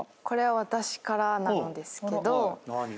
これ私からなんですけど。